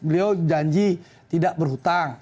beliau janji tidak berhutang